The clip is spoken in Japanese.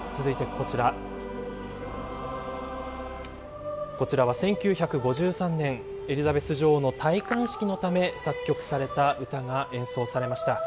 こちらは１９５３年エリザベス女王の戴冠式のため作曲された歌が演奏されました。